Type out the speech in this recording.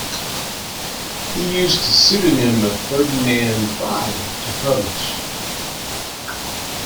He used his pseudonym of "Ferdinand Fried" to publish.